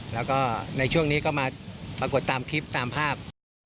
แล้วก็ในช่วงนี้ก็มาปรากฏตามคลิปตามภาพ